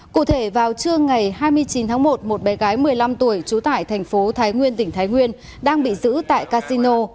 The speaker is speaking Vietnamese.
cụ thể vào trưa ngày hai mươi chín tháng một một bé gái một mươi năm tuổi trú tại thành phố thái nguyên tỉnh thái nguyên đang bị giữ tại casino